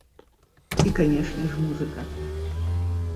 І, канешне ж, музыка.